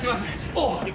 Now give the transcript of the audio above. おう。